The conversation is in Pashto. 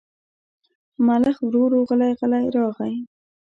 ملخ ورو ورو غلی غلی راغی.